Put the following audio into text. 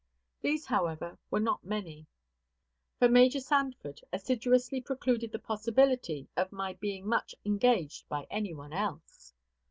These, however, were not many; for Major Sanford assiduously precluded the possibility of my being much engaged by any one else.